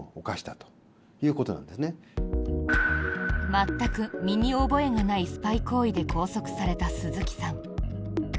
全く身に覚えがないスパイ行為で拘束された鈴木さん。